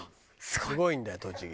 すごいんだよ栃木。